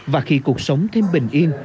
và khi cuộc sống thêm bình yên